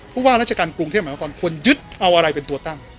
ว่าราชการกรุงเทพมหานครควรยึดเอาอะไรเป็นตัวตั้ง